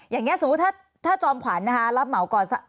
อย่างนี้สมมุติถ้าจอมขวัญนะคะรับเหมาก่อน